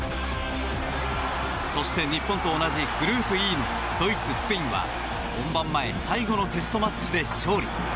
そして、日本と同じグループＥのドイツ、スペインは本番前最後のテストマッチで勝利。